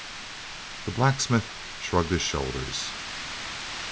The blacksmith shrugged his shoulders.